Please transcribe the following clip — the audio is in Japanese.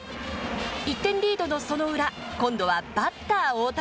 １点リードのその裏、今度はバッター、大谷。